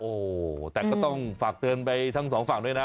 โอ้โหแต่ก็ต้องฝากเตือนไปทั้งสองฝั่งด้วยนะ